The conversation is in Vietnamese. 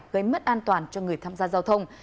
gây mất an toàn cho người tham gia giao thông